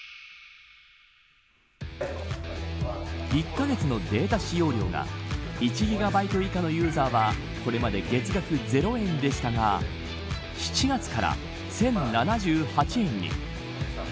１カ月のデータ使用量が１ギガバイト以下のユーザーはこれまで月額０円でしたが７月から１０７８円に。